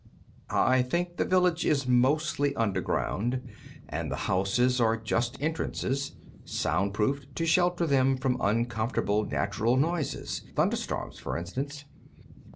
I think the village is mostly underground, and the houses are just entrances, soundproofed, to shelter them from uncomfortable natural noises thunderstorms, for instance."